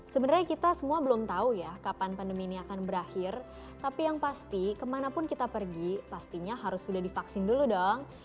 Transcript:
sebenarnya kita semua belum tahu ya kapan pandemi ini akan berakhir tapi yang pasti kemanapun kita pergi pastinya harus sudah divaksin dulu dong